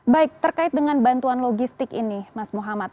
baik terkait dengan bantuan logistik ini mas muhammad